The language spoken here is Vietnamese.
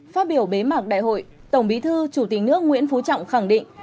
phát biểu bế mạc đại hội tổng bí thư chủ tịch nước nguyễn phú trọng khẳng định